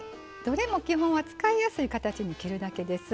どれも基本は使いやすい形に切るだけです。